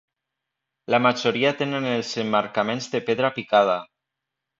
La majoria tenen els emmarcaments de pedra picada.